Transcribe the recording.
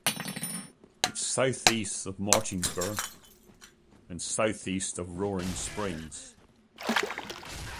It is southeast of Martinsburg and southeast of Roaring Spring.